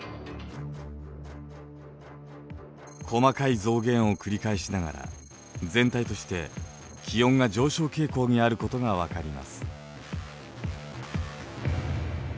細かい増減を繰り返しながら全体として気温が上昇傾向にあることが分かります。